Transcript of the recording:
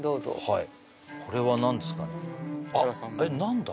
はい